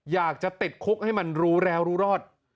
อยากจะติดคุกให้มันรู้แล้วรู้รอด